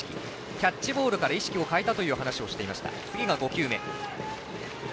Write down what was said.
キャッチボールから意識を変えたと話をしていました。